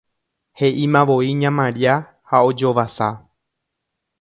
he'imavoi ña Maria ha ojovasa